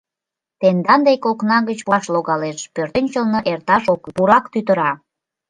Тендан дек окна гыч пураш логалеш: пӧртӧнчылнӧ эрташ ок лий — пурак тӱтыра.